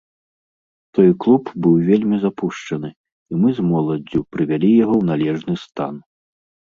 Той клуб быў вельмі запушчаны, і мы з моладдзю прывялі яго ў належны стан.